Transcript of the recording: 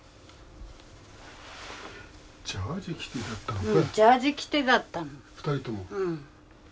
ジャージ着てたのか。